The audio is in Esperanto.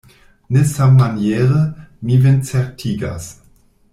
Ne sammaniere, mi vin certigas.